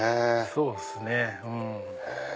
そうですね。